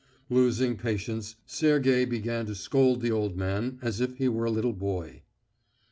Losing patience, Sergey began to scold the old man as if he were a little boy.